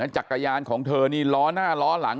จักรยานของเธอนี่ล้อหน้าล้อหลัง